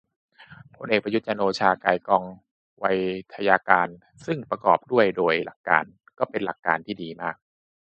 พลเอกประยุทธ์ จันทร์โอชา ไกลก้อง ไวทยการ ซึ่งประกอบด้วย โดยหลักการ ก็เป็นหลักการที่ดีมาก